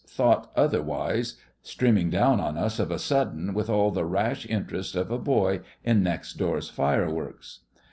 thought otherwise, streaming down on us of a sudden with all the rash interest of a boy in next door's fireworks.